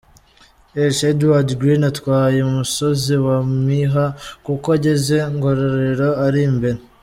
h': Edward Green atwaye umusozi wa Myiha kuko ageze Ngororero ari imbere.